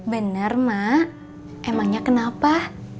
bener mak emangnya kenapa